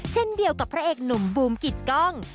เช่นเดียวกับพระเอกหนุ่มบูมกิดกล้อง